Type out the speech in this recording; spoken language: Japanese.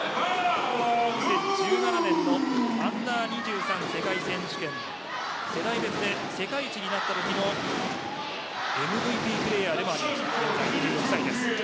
２０１７年のアンダー２３世界選手権世代別で世界一になったときのＭＶＰプレーヤーでもあります。